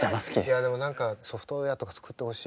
いやでも何かソフトウエアとか作ってほしい。